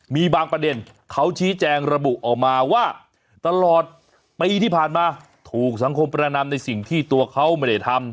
มีบางประเด็นเขาชี้แจงระบุออกมาว่าตลอดปีที่ผ่านมาถูกสังคมประนำในสิ่งที่ตัวเขาไม่ได้ทำ